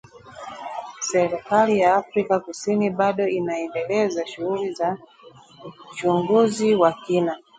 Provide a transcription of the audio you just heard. Serikali ya Afrika Kusini bado inaendeleza shughuli za uchunguzi wa kina